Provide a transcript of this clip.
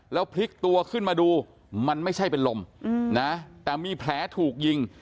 แล้วพลิกตัวขึ้นมาดูมันไม่ใช่เป็นลมนะแต่มีแผลถูกยิง